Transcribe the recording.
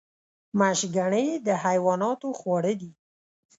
مشګڼې د حیواناتو خواړه دي